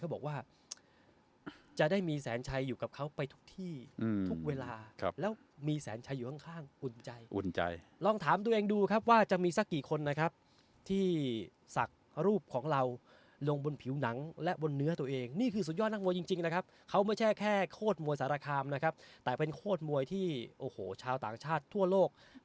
บอกว่าจะได้มีแสนชัยอยู่กับเขาไปทุกที่ทุกเวลาแล้วมีแสนชัยอยู่ข้างอุ่นใจอุ่นใจลองถามตัวเองดูครับว่าจะมีสักกี่คนนะครับที่ศักดิ์รูปของเราลงบนผิวหนังและบนเนื้อตัวเองนี่คือสุดยอดนักมวยจริงนะครับเขาไม่ใช่แค่โคตรมวยสารคามนะครับแต่เป็นโคตรมวยที่โอ้โหชาวต่างชาติทั่วโลก